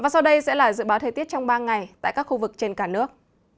sau đây sẽ là dự báo thời tiết trong ba ngày tại các khu vực trên cả nước